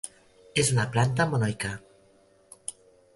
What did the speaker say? És una planta monoica.